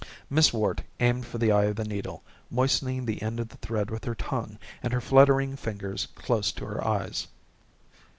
Miss Worte aimed for the eye of the needle, moistening the end of the thread with her tongue and her fluttering fingers close to her eyes.